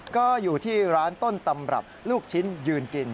ก็อยู่ที่ร้านต้นตำรับลูกชิ้นยืนกิน